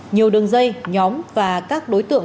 nhiều đường dây nhóm và các đối tượng